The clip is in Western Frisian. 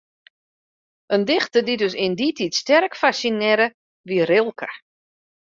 In dichter dy't ús yn dy tiid sterk fassinearre, wie Rilke.